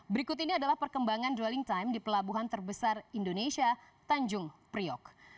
berikut ini adalah perkembangan dwelling time di pelabuhan terbesar indonesia tanjung priok